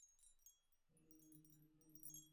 এই বিশ্বাস করি তোমাকে বন্ধু।